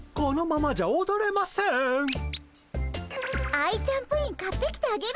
アイちゃんプリン買ってきてあげるからさ